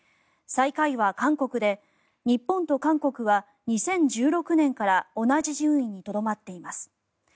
最下位は韓国で日本と韓国は２０１６年から同じ順位にとどまっています。